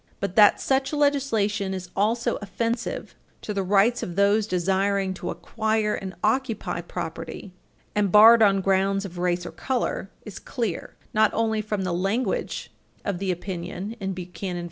But that such legislation is also offensive to the rights of those desiring to acquire and occupy property and barred on grounds of race or color is clear not only from the language of the opinion in Buchanan v.